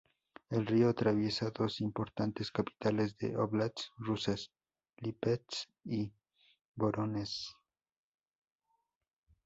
El río atraviesa dos importantes capitales de óblasts rusas, Lípetsk y Vorónezh.